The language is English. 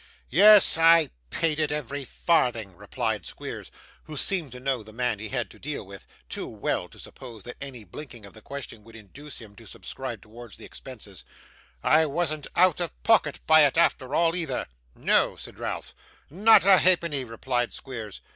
'Yes, I paid it, every farthing,' replied Squeers, who seemed to know the man he had to deal with, too well to suppose that any blinking of the question would induce him to subscribe towards the expenses; 'I wasn't out of pocket by it after all, either.' 'No!' said Ralph. 'Not a halfpenny,' replied Squeers.